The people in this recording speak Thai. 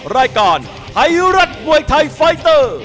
รายการไทยรัฐมวยไทยไฟเตอร์